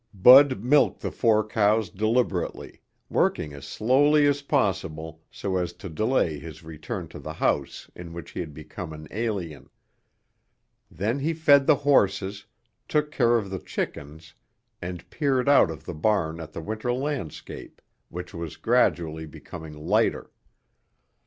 Bud milked the four cows deliberately, working as slowly as possible so as to delay his return to the house in which he had become an alien. Then he fed the horses, took care of the chickens and peered out of the barn at the winter landscape which was gradually becoming lighter.